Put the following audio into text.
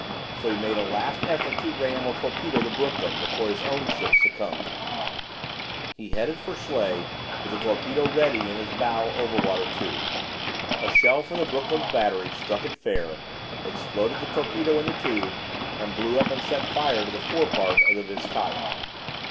So he made a last effort to ram or torpedo the "Brooklyn" before his own ship succumbed. He headed for Schley with a torpedo ready in his bow over water tube. A shell from the "Brooklyn's" battery struck it fair, exploded the torpedo in the tube, and blew up and set fire to the forepart of the "Vizcaya."